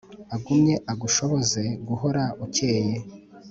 agumye agushoboze guhora ukeye